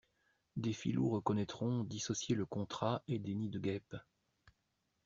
Des filous reconnaîtront dissocier le contrat et des nids de guêpes.